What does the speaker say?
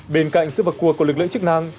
bên cạnh sự vật cuộc của lực lượng chức năng